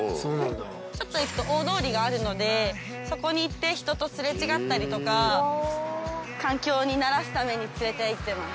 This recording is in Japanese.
ちょっと行くと大通りがあるのでそこに行って人とすれ違ったりとか環境に慣らすために連れて行ってます。